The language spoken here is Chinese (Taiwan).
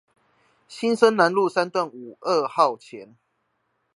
新生南路三段五二號前